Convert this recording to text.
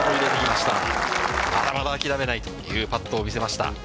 まだまだ諦めないというパットを見せました。